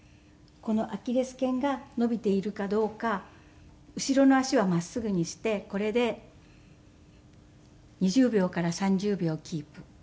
このアキレス腱が伸びているかどうか後ろの足は真っすぐにしてこれで２０秒から３０秒キープ。